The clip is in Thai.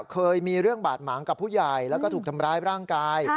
เคยมีเรื่องบาดหมางกับผู้ใหญ่แล้วก็ถูกทำร้ายร่างกาย